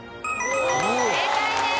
正解です。